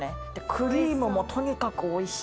クリームもとにかくおいしい。